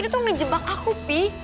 dia tuh ngejebak aku pi